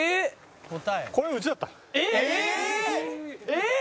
えっ！？